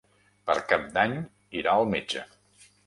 Per Cap d'Any irà al metge.